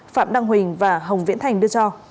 phạm đăng huỳnh và hồng viễn thành đưa cho